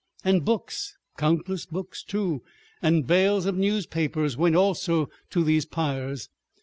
And books, countless books, too, and bales of newspapers went also to these pyres.